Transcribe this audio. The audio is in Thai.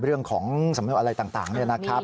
เรื่องของสำนวนอะไรต่างเนี่ยนะครับ